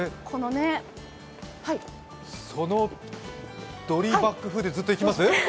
そのドリーバック風でずっといきます？